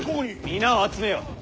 皆を集めよ。